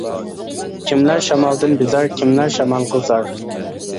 كىملەر شامالدىن بىزار، كىملەر شامالغا زار؟ !